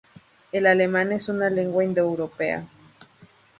El alemán es una lengua indoeuropea.